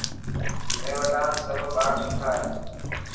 مين وٽان سڀ ٻار سٺا هي.